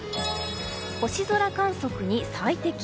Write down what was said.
星空観測に最適。